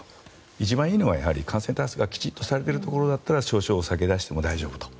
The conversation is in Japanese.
一番いいのは感染対策がきちんとされているところだったら少々お酒を出しても大丈夫と。